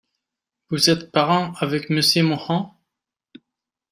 Vous êtes parent avec monsieur Mohan ?